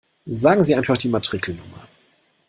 Sagen Sie einfach die Matrikelnummer!